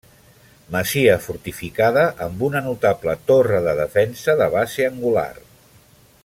Masia fortificada amb una notable torre de defensa de base angular.